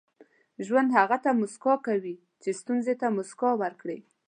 • ژوند هغه ته موسکا کوي چې ستونزې ته موسکا ورکړي.